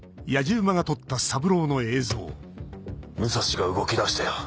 武蔵が動きだしたよ。